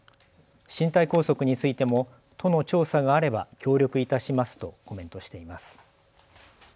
身体拘束についても都の調査があれば協力いたしますとコメントしています。